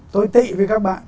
tôi tị với các bạn